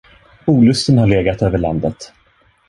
Olusten har legat över landet.